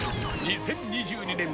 ２０２２年